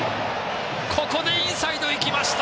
ここでインサイド、いきました。